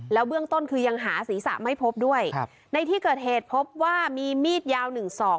เบื้องต้นคือยังหาศีรษะไม่พบด้วยครับในที่เกิดเหตุพบว่ามีมีดยาวหนึ่งศอก